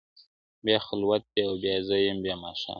o بیا خِلوت دی او بیا زه یم بیا ماښام دی,